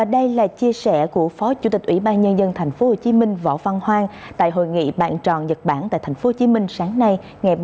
đây là chia sẻ của phó chủ tịch ủy ban nhân dân tp hcm võ văn hoang tại hội nghị bạn tròn nhật bản tại tp hcm sáng nay